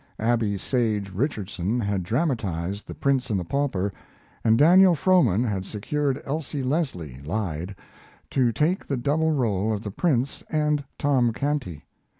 Abby Sage Richardson had dramatized 'The Prince and the Pauper', and Daniel Frohman had secured Elsie Leslie (Lyde) to take the double role of the Prince and Tom Canty.